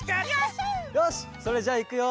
よしそれじゃあいくよ！